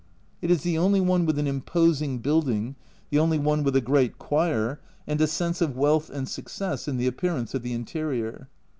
It is the only one with an imposing building, the only one with a great choir, and a sense of wealth and success in the appearance of the interior.